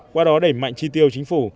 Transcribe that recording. qua đó đẩy mạnh chi tiêu chính phủ